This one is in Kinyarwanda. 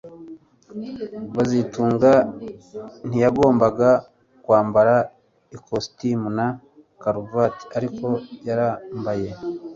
kazitunga ntiyagombaga kwambara ikositimu na karuvati ariko yarambaye